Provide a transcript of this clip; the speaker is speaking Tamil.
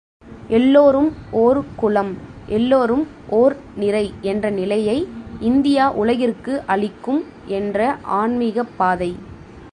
எல்லோரும் ஓர் குலம், எல்லோரும் ஓர் நிறை என்ற நிலையை இந்தியா உலகிற்கு அளிக்கும் என்ற ஆன்மீகப் பாதை.